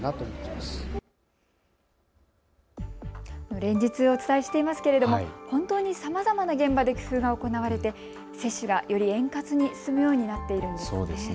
連日お伝えしていますけれども本当にさまざまな現場で工夫が行われて接種がより円滑に進むようになっているんですね。